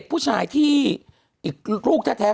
คุณหนุ่มกัญชัยได้เล่าใหญ่ใจความไปสักส่วนใหญ่แล้ว